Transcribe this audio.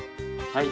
はい。